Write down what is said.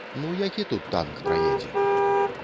Ну які тут танк праедзе?